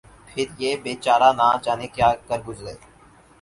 پھر یہ بے چارہ نہ جانے کیا کر گزرے